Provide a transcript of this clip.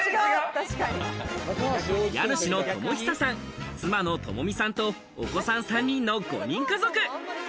家主の智久さん、妻の朋美さんとお子さん３人の５人家族。